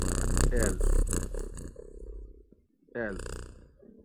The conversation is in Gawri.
ایل